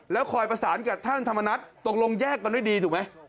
แล้วคอยประสานกับท่านธรรมนัฐตกลงแยกกันด้วยดีถูกไหม